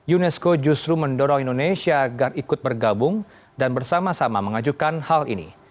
unesco justru mendorong indonesia agar ikut bergabung dan bersama sama mengajukan hal ini